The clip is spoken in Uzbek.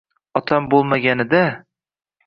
Otam bo'lmaganida: